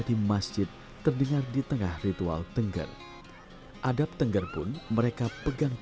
kami berdoa untuk orang orang yang berkembang